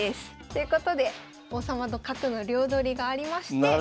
ということで王様と角の両取りがありまして。